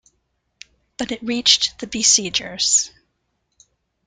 But it reached the besiegers.